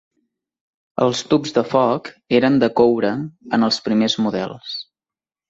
Els tubs de foc eren de coure en els primers models.